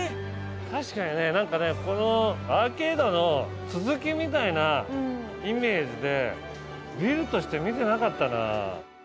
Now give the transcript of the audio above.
確かにね、なんかねこのアーケードの続きみたいなイメージでビルとして見てなかったな。